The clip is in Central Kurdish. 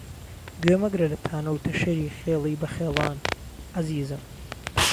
گوێ مهگره له تانه و تهشهری خێڵی بهخێڵان، عهزیزم